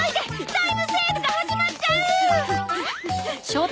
タイムセールが始まっちゃう！